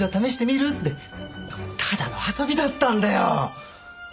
ただの遊びだったんだよ。